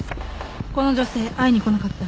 この女性会いに来なかった？